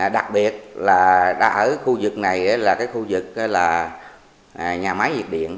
đặc biệt là ở khu vực này là cái khu vực là nhà máy nhiệt điện